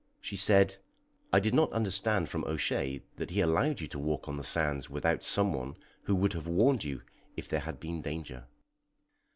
She said: "I did not understand from O'Shea that he allowed you to walk on the sands without some one who would have warned you if there had been danger."